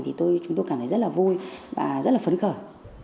thì chúng tôi cảm thấy rất là vui và rất là phấn khởi